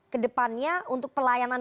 ke depannya untuk pelayanan